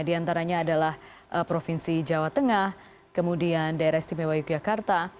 di antaranya adalah provinsi jawa tengah kemudian daerah istimewa yogyakarta